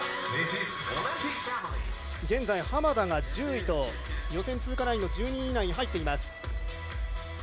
現在、浜田が１０位と予選通過ラインの１２位以内に入っています。